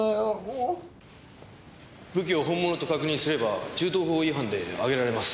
武器を本物と確認すれば銃刀法違反で挙げられます。